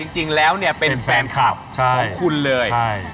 จริงแล้วเนี่ยเป็นแฟนคลับของคุณเลย